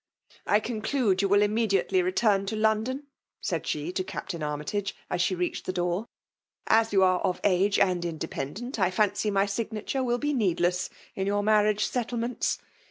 I conclude you will immediately return to London ?" said she to Capt. Army tage, as she reached the door. '' As you are of age and independent, I fancy my signature will be needless in your marriage settlements.